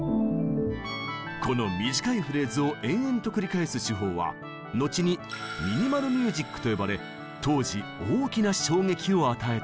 この短いフレーズを延々と繰り返す手法は後にミニマル・ミュージックと呼ばれ当時大きな衝撃を与えたのです。